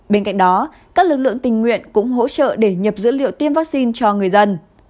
bên cạnh đó các lực lượng tình nguyện cũng hỗ trợ để nhập dữ liệu tiêm vaccine cho người dân